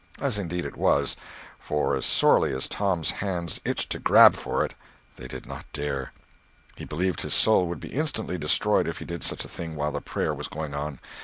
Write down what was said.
As indeed it was; for as sorely as Tom's hands itched to grab for it they did not dare—he believed his soul would be instantly destroyed if he did such a thing while the prayer was going on.